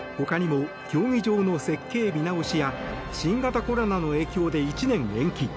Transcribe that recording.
他にも競技場の設計見直しや新型コロナの影響で１年延期